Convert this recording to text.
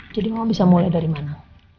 jadi mama bisa mulai dari mana